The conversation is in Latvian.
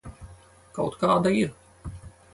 Kaut kāda ir.